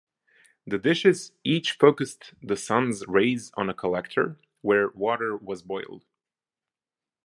The dishes each focussed the sun's rays on a collector, where water was boiled.